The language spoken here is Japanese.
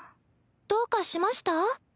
どうかしました？